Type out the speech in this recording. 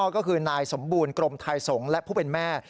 ก็คือนายสมบูรณ์กรมไทยสงฆ์และผู้เป็นแม่